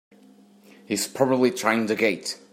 He's probably trying the gate!